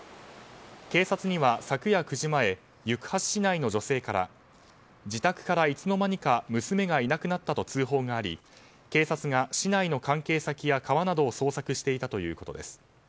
警察には昨夜９時前行橋市内の女性から自宅からいつの間にか娘がいなくなったと通報があり警察が市内の関係先や川などを捜索していたということです。